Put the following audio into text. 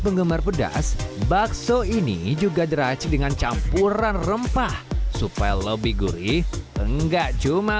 penggemar pedas bakso ini juga diracik dengan campuran rempah supaya lebih gurih enggak cuma